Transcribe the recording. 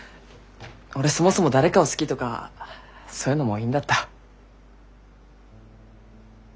俺そもそも誰かを好きとかそういうのもういいんだった。